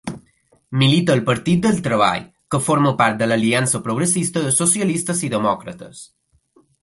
Milita al Partit del Treball, que forma part de l'Aliança Progressista de Socialistes i Demòcrates.